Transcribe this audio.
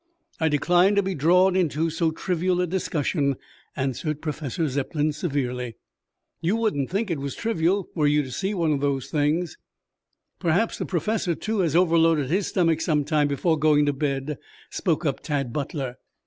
"I decline to be drawn into so trivial a discussion," answered Professor Zepplin severely. "You wouldn't think it was trivial were you to see one of those things." "Perhaps the Professor, too, has overloaded his stomach some time before going to bed," spoke up Tad Butler.